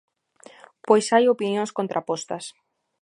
Pois hai opinións contrapostas.